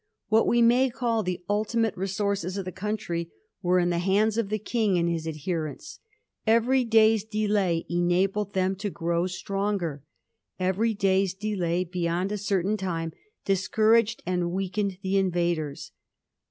What we may call the ulti mate resources of the country were in the hands of the King and his adherents. Every day's delay enabled them to grow stronger. Every day's delay beyond a certain time discouraged and weakened the invaders.